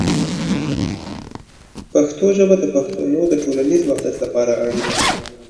پښتو ژبه د پښتنو د ټولنیز وحدت لپاره اړینه ده.